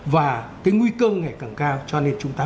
và cái nguy cơ ngày càng cao cho nên chúng ta